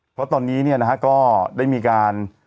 เพราะตอนนี้ก็ได้มีการ